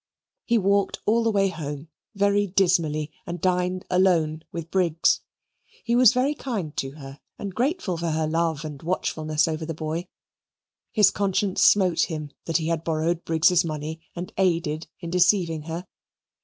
He walked all the way home very dismally, and dined alone with Briggs. He was very kind to her and grateful for her love and watchfulness over the boy. His conscience smote him that he had borrowed Briggs's money and aided in deceiving her.